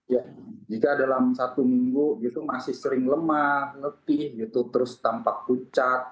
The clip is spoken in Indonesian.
ya jika dalam satu minggu masih sering lemah letih terus tampak pucat